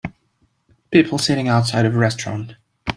People sitting outside of a restaurant